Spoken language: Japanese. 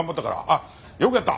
あっよくやった！